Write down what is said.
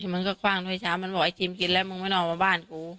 มันก็คว่างด้วยเช้ามันบอกไอจิมกินแล้วมึงไม่ต้องออกมาบ้านกู